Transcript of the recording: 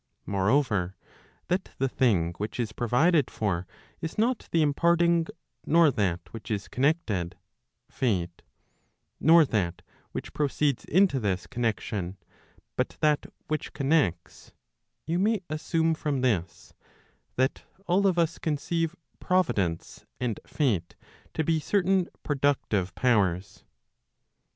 Moreover, that the thing which is provided for is not the imparting, nor that which is connected, Fate, nor that which proceeds into this, connexion, but that which connects, you may assuope from this, that all of us conceive Providence and Fate to be certain productive powers.